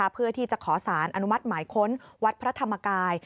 เพื่อที่จะขอสารอนุมัติหมายค้นวัดพระธรรมกาย